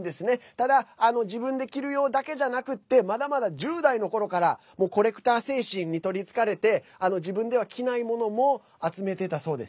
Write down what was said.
ただ自分で着る用だけじゃなくてまだまだ１０代のころからコレクター精神にとりつかれて自分では着ないものも集めてたそうです。